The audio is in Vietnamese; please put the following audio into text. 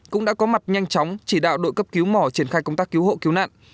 cũng đã có mặt nhanh chóng chỉ đạo đội cấp cứu mỏ triển khai công tác cứu hộ cứu nạn